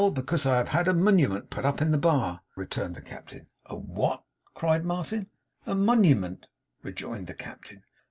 because I have had a muniment put up in the bar,' returned the Captain. 'A what?' cried Martin. 'A muniment,' rejoined the Captain.